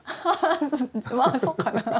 まあそうかな。